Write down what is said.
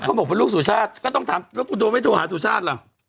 บอกเป็นลูกสุชาติก็ต้องถามแล้วคุณโทไม่โทรหาสุชาติเหรอ